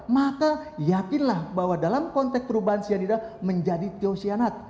maka yakinlah bahwa dalam konteks perubahan cyanida menjadi tyosyanat